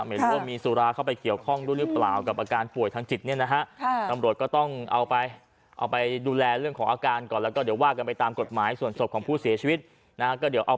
ไม่รู้ว่ามีสุราเข้าไปเกี่ยวข้องด้วยหรือเปล่ากับอาการป่วยทางจิตเนี่ยนะฮะ